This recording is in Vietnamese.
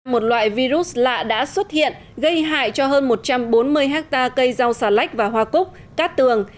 một loại virus lạ đã xuất hiện gây hại cho hơn một trăm bốn mươi hectare cây rau xà lách và hoa cúc cát tường